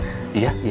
satu dua tiga